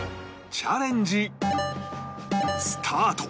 チャレンジスタート！